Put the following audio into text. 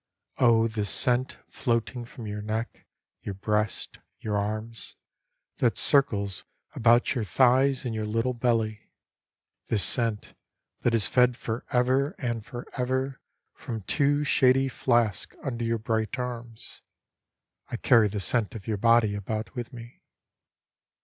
Oh, this scent floating from your neck, your breasts, your arms j That circles about your thighs and your little belly ; This scent that is fed for ever and for ever From two shady flasks under your bright arms. I carry the scent of your body about with me.